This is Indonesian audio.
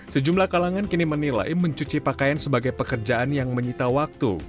sejumlah kalangan kini menilai mencuci pakaian sebagai pekerjaan yang menyita waktu